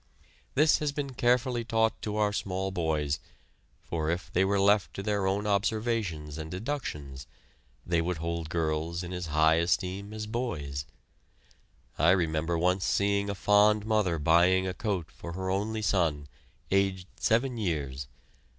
This has been carefully taught to our small boys, for if they were left to their own observations and deductions they would hold girls in as high esteem as boys. I remember once seeing a fond mother buying a coat for her only son, aged seven years.